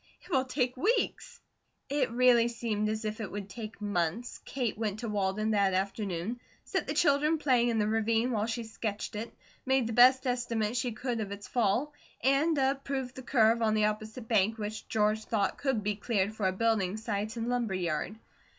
It will take weeks." It really seemed as if it would take months. Kate went to Walden that afternoon, set the children playing in the ravine while she sketched it, made the best estimate she could of its fall, and approved the curve on the opposite bank which George thought could be cleared for a building site and lumber yard.